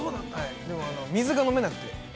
でも水が飲めなくて。